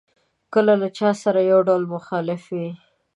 کله له چا سره یو ډول مخالف وي.